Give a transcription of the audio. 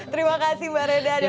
terima kasih mbak reda dan mas arief